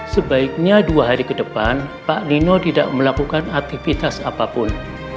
sebaiknya dua hari ke depan pak nino tidak melakukan aktivitas apapun